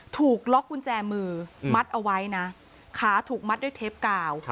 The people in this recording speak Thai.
ถูกล็อกกุญแจมือมัดเอาไว้นะขาถูกมัดด้วยเทปกาว